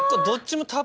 どっちも。